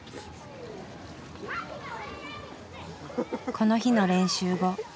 この日の練習後。